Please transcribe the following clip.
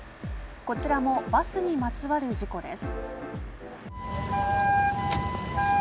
こちらもバスにまつわる事故です。